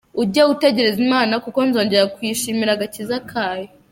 Ujye utegereza Imana, Kuko nzongera kuyishimira agakiza kayo.